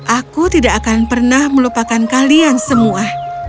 aku tidak akan pernah melupakan kalian semua